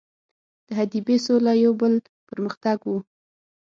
د حدیبې سوله یو بل پر مختګ وو.